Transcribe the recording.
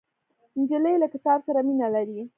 نجلۍ له کتاب سره مینه لري.